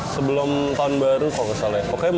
sebelum tahun baru kok kesel ya